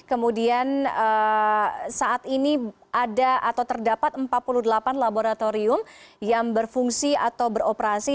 kemudian saat ini ada atau terdapat empat puluh delapan laboratorium yang berfungsi atau beroperasi